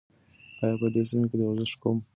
ایا په دې سیمه کې د ورزش کوم مرکز شته؟